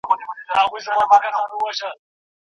اضافي تقاضا د اضافي پانګوني له لاري راځي.